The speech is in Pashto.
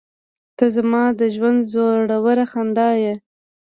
• ته زما د ژونده زړور خندا یې.